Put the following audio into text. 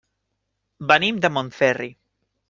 Venim de Montferri.